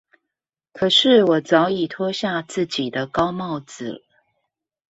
可是我早已脫下自己的高帽子